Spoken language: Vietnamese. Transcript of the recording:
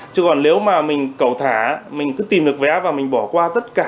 chứ còn nếu mà mình cầu thả mình cứ tìm được vé và mình bỏ qua tất cả